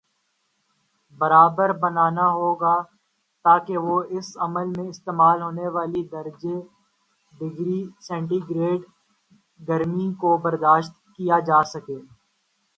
برابر بنانا ہوگا تاکہ وہ اس عمل میں استعمال ہونے والی درجے ڈگری سینٹی گریڈگرمی کو برداشت کیا جا سکے